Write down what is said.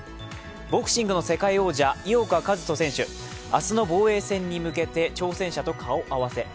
ボクシングの世界王者、井岡一翔選手、明日の防衛戦に向けて挑戦者と顔合わせ。